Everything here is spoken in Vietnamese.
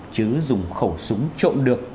chứ dùng khẩu súng trộn được